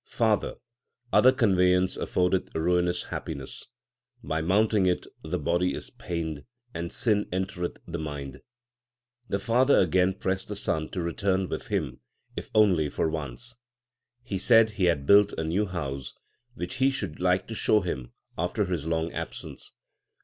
Father, other conveyance affordeth ruinous happiness ; By mounting it the body is pained, and sin entereth the mind. The father again pressed the son to return with him, if only for once. He said he had built a new house which he should like to show him after his long absence.